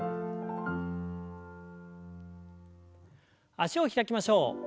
脚を開きましょう。